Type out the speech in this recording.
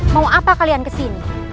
mau apa kalian kesini